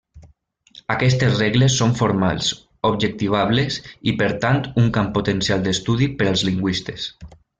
Aquestes regles són formals, objectivables, i per tant un camp potencial d'estudi per als lingüistes.